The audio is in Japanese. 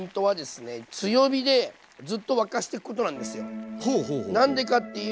強火でずっと沸かしていくことなんですよ。